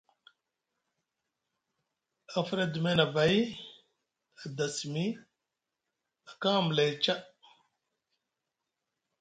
A fuɗa Adime nʼabay, a da simi, a kaŋ amlay ca.